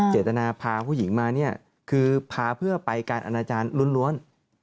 พาผู้หญิงมาเนี่ยคือพาเพื่อไปการอนาจารย์ล้วน